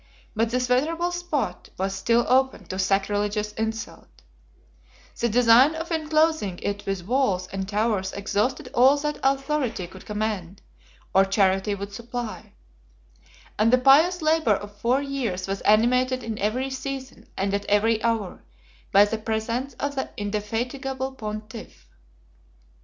But this venerable spot was still open to sacrilegious insult: the design of enclosing it with walls and towers exhausted all that authority could command, or charity would supply: and the pious labor of four years was animated in every season, and at every hour, by the presence of the indefatigable pontiff.